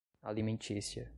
alimentícia